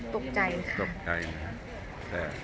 ตกใจนะครับแต่สามารถทำได้